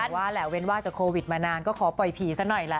ว่าแหละเว้นว่าจากโควิดมานานก็ขอปล่อยผีซะหน่อยล่ะ